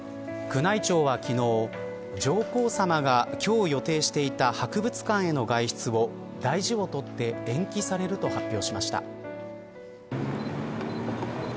宮内庁は昨日、上皇さまが今日、予定していた博物館への外出を大事をとって延期されると発表しました。